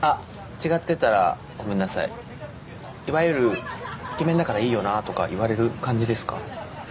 違ってたらごめんなさいいわゆる「イケメンだからいいよな」とか言われる感じですか？